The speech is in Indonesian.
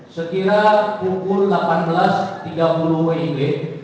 sekira pukul delapan belas tiga puluh wib